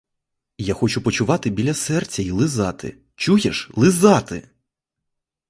Я хочу почувати біля серця й лизати, — чуєш, лизати!